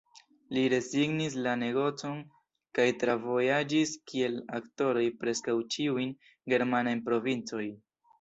Ili rezignis la negocon kaj travojaĝis kiel aktoroj preskaŭ ĉiujn germanajn provincojn.